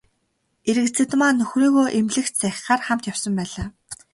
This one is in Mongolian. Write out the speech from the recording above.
Эрэгзэдмаа нөхрийгөө эмнэлэгт сахихаар хамт явсан байлаа.